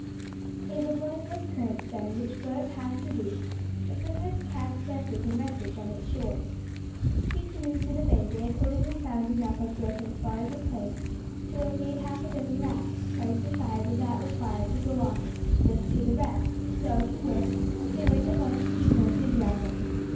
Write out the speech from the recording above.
It was one of those currents, then, which flowed past the reef and sometimes cast vessels and wreckage on its shores. Hastening to the bay, they accordingly found enough of broken spars and planks, to have made half a dozen rafts, twice the size of that required to go off with to the wreck; so to work they went at once with eager enthusiasm.